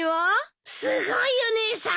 すごいよ姉さん！